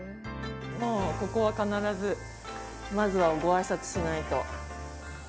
ここは必ずまずはごあいさつしないと。